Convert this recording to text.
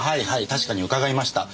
確かに伺いました。